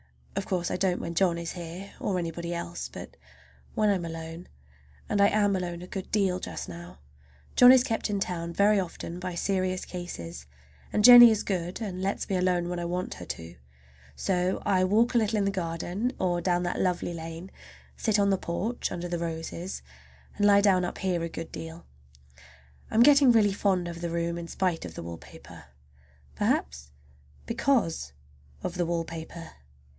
Of course I don't when John is here, or anybody else, but when I am alone. And I am alone a good deal just now. John is kept in town very often by serious cases, and Jennie is good and lets me alone when I want her to. So I walk a little in the garden or down that lovely lane, sit on the porch under the roses, and lie down up here a good deal. I'm getting really fond of the room in spite of the wallpaper. Perhaps because of the wallpaper.